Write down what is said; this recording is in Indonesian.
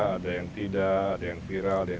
ada yang tidak ada yang viral ada yang